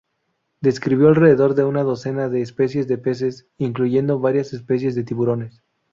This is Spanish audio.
Describió alrededor de una docena de especies de peces, incluyendo varias especies de tiburones.